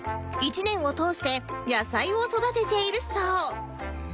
１年を通して野菜を育てているそう